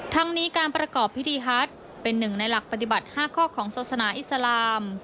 ทั้งนี้การประกอบพิธีฮัตเป็นหนึ่งในหลักปฏิบัติ๕ข้อของศาสนาอิสลาม